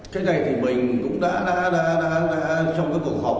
cái này thì mình cũng đã trong cái cuộc họp